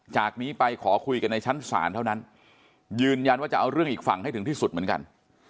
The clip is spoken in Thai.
จากนี้ไปขอคุยกันในชั้นศาลเท่านั้นยืนยันว่าจะเอาเรื่องอีกฝั่งให้ถึงที่สุดเหมือนกัน